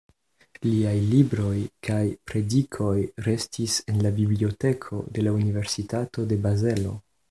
Liaj libroj kaj predikoj restis en la biblioteko de la Universitato de Bazelo.